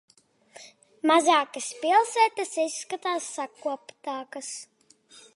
Mazākas pilsētas izskatās sakoptākas.